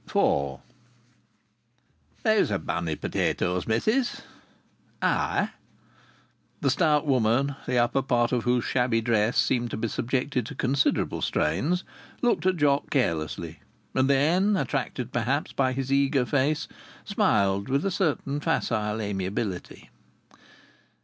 IV "Those are bonny potatoes, missis!" "Ay!" The stout woman, the upper part of whose shabby dress seemed to be subjected to considerable strains, looked at Jock carelessly, and then, attracted perhaps by his eager face, smiled with a certain facile amiability.